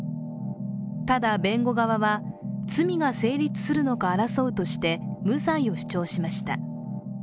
ただ弁護側は、罪が成立するのが争うとして無罪を主張しました。